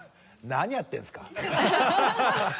何やってるんですか。